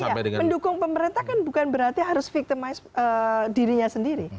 mendukung pemerintah bukan berarti harus menghukum dirinya sendiri